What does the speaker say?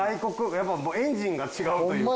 やっぱもうエンジンが違うというか。